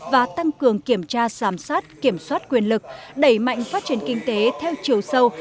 và tăng cường kiểm tra sàm sát kiểm soát quyền lực đẩy mạnh phát triển kinh tế theo chiều sâu